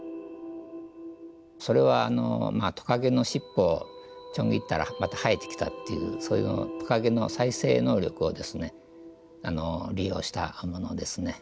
それはまあトカゲの尻尾をちょん切ったらまた生えてきたっていうそういうのをトカゲの再生能力をですね利用したものですね。